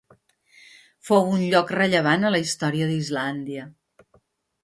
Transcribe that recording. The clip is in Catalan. Fou un lloc rellevant a la història d'Islàndia.